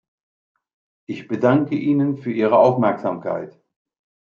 Ich bedanke Ihnen für Ihre Aufmerksamkeit.